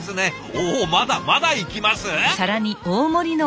おまだまだいきます！？